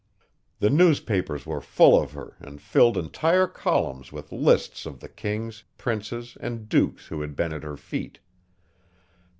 The newspapers were full of her and filled entire columns with lists of the kings, princes, and dukes who had been at her feet.